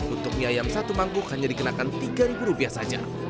untuk mie ayam satu mangkuk hanya dikenakan rp tiga saja